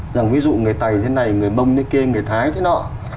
rằng ví dụ người tày thế này người bông thế kia người thái thế nọ